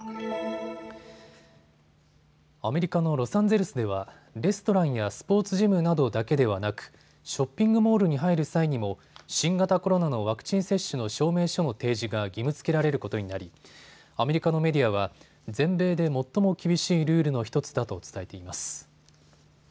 アメリカのロサンゼルスではレストランやスポーツジムなどだけではなくショッピングモールに入る際にも新型コロナのワクチン接種の証明書を提示が義務づけられることになりアメリカのメディアは全米で最も厳しいルールの１つだと伝えています。